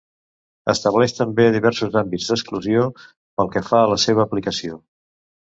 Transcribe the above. Estableix també diversos àmbits d'exclusió pel que fa a la seva aplicació.